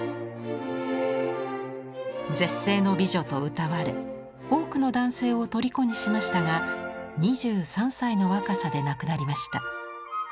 絶世の美女とうたわれ多くの男性をとりこにしましたが２３歳の若さで亡くなりました。